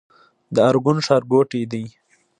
د ارګون ښارګوټی دی